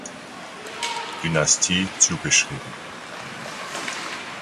Dynastie, zugeschrieben.